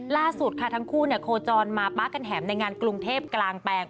ล่าสุดค่ะทั้งคู่โคจรมาป๊ากันแหมในงานกรุงเทพกลางแปลง